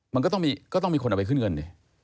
มันก็ต้องมีคนเอาไปขึ้นเงินดิ